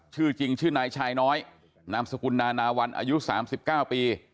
ชื่อจริงชื่อนายชายน้อยนามสกุลนานาวันอายุ๓๙ปี